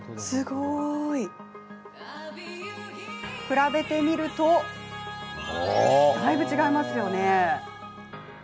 比べてみると、だいぶ違いますよね。